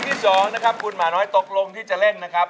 ที่สองนะครับคุณหมาน้อยตกลงที่จะเล่นนะครับ